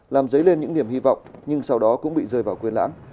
làm dấy lên những niềm hy vọng nhưng sau đó cũng bị rời vào quyền lãng